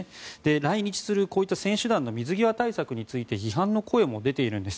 来日するこういった選手団の水際対策について批判の声も出ているんです。